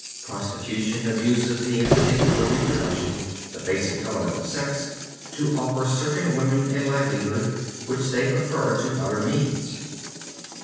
Prostitution abuses the instinct for reproduction, the basic element of sex, to offer certain women a livelihood which they prefer to other means.